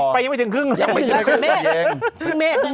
ไปยังยังไม่ถึงครึ่ง